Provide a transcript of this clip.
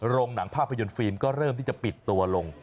หนังภาพยนตร์ฟิล์มก็เริ่มที่จะปิดตัวลง